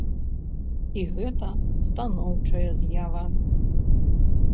І гэта станоўчая з'ява.